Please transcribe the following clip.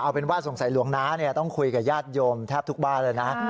เอาเป็นว่าสงสัยหลวงน้าต้องคุยกับญาติโยมแทบทุกบ้านเลยนะ